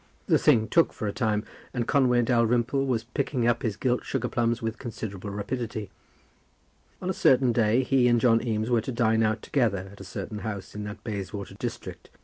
The thing took for a time, and Conway Dalrymple was picking up his gilt sugar plums with considerable rapidity. On a certain day he and John Eames were to dine out together at a certain house in that Bayswater district.